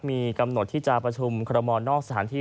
มีกำหนดที่จะประชุมคอรมอลนอกสถานที่